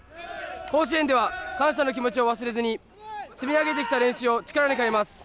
甲子園では感謝の気持ちを忘れずに、積み上げてきた練習を力に変えます。